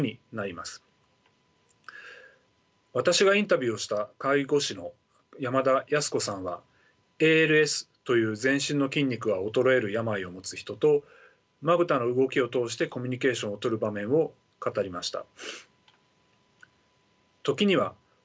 私がインタビューをした介護士の山田康子さんはＡＬＳという全身の筋肉が衰える病を持つ人とまぶたの動きを通してコミュニケーションをとる場面を語りました。